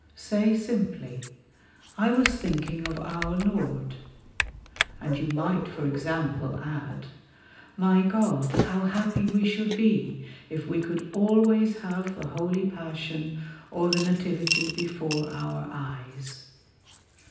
Say simply, "I was thinking of Our Lord," and you might, for example, add, "My God, how happy we should be if we could always have the Holy Passion or the Nativity before our eyes."